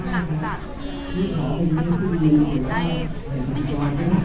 หลังจากที่ประสบความปฏิเสธได้ไม่กี่วันนะ